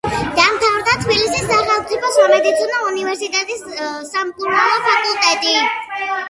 დაამთავრა თბილისის სახელმწიფო სამედიცინო უნივერსიტეტის სამკურნალო ფაკულტეტი.